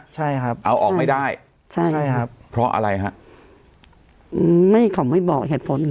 ใช่ครับเอาออกไม่ได้ใช่ครับเพราะอะไรฮะอืมไม่เขาไม่บอกเหตุผล